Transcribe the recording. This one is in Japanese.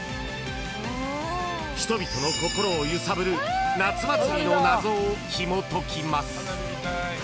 ［人々の心を揺さぶる夏祭りの謎をひもときます］